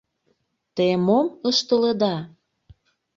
Те мом ыштылыда?!